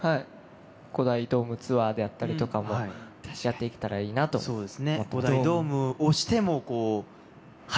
５大ドームツアーであったりとかも、やっていけたらいいなと思ってます。